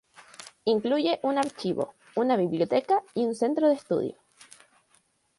Incluye un archivo, una biblioteca y un centro de estudio.